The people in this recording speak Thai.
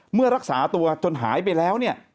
เมื่อรักษาตัวจนหายไปแล้วเนี่ย